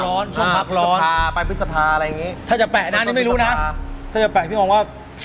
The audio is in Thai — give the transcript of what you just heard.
ช่วงพักร้อนพฤษภาอะไรอย่างนี้ถ้าจะแปะนะนี่ไม่รู้นะถ้าจะแปะพี่มองว่า